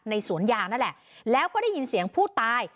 สวนยางนั่นแหละแล้วก็ได้ยินเสียงผู้ตาย